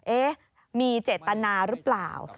เอ๊ะมีเจตนาหรือเปล่า